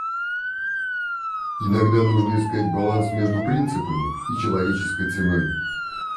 Иногда нужно искать баланс между принципами и человеческой ценой.